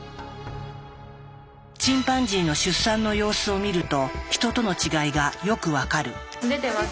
チンパンジーの出産の様子を見るとヒトとの違いがよく分かる。